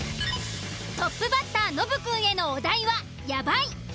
トップバッターノブくんへのお題は「ヤバい」。